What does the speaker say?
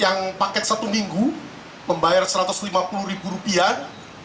yang paket satu minggu pembayaran satu ratus lima puluh ribu rupiah